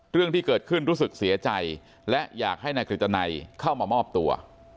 เรื่องที่เกิดขึ้นรู้สึกเสียใจและอยากให้นายกฤตนัยเข้ามามอบตัว